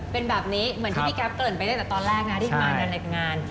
เป็นแบบนี้เหมือนที่พี่แก๊ปเกริ่นไปตั้งแต่ตอนแรกนะที่มากันในงาน